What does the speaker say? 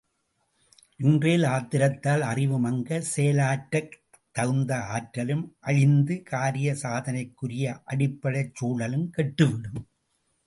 இன்றேல் ஆத்திரத்தால் அறிவு மங்க செயலாற்றத் தகுந்த ஆற்றலும் அழிந்து காரிய சாதனைக்குரிய அடிப் படைச் சூழலும் கெட்டுவிடும்.